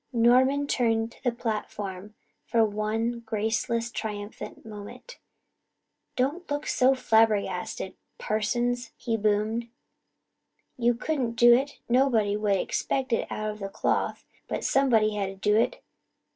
Norman turned to the platform for one graceless, triumphant moment. "Don't look so flabbergasted, parsons," he boomed. "You couldn't do it nobody would expect it of the cloth but somebody had to do it.